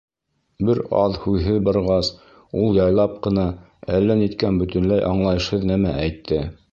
Бер аҙ һүҙһеҙ барғас, ул яйлап ҡына әллә ниткән бөтөнләй аңлайышһыҙ нәмә әйтте.